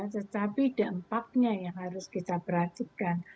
tetapi dampaknya yang harus kita perhatikan